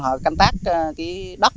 họ canh tác đất